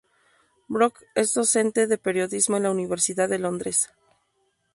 Brooke es docente de periodismo en la Universidad de Londres.